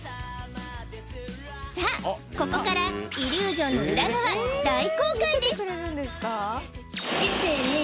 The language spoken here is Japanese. さあここからイリュージョンの裏側大公開です！